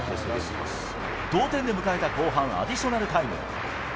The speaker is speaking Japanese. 同点で迎えた後半アディショナルタイム。